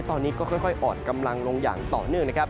ตอนนี้ก็ค่อยอ่อนกำลังลงอย่างต่อเนื่องนะครับ